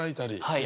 はい。